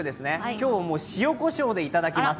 今日は塩こしょうでいただきます。